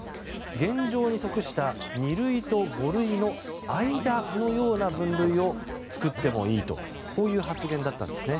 現状に即した、二塁と五類の間のような分類を作ってもいいという発言だったんですね。